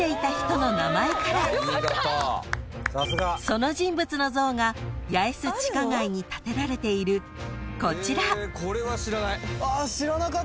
［その人物の像が八重洲地下街に建てられているこちら］